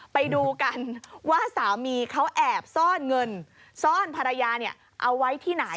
ไปดูกันว่าสามีเขาแอบซ่อนเงินซ่อนภรรยาเอาไว้ที่ไหน